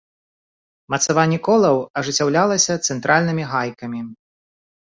Мацаванне колаў ажыццяўлялася цэнтральнымі гайкамі.